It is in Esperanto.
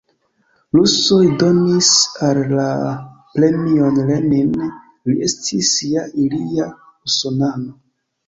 Rusoj donis al li la premion Lenin, li estis ja ilia usonano.